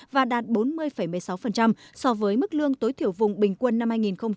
và đạt bốn mươi một mươi sáu so với mức lương tối thiểu vùng bình quân năm hai nghìn một mươi chín